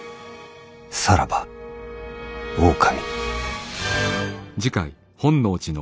さらば狼。